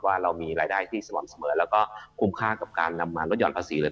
ว่าเรามีรายได้ที่สม่ำเสมอแล้วก็คุ้มค่ากับการนำมาลดห่อนภาษีเลย